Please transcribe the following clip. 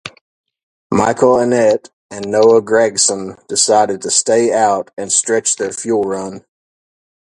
Michael Annett and Noah Gragson decided to stay out and stretch their fuel run.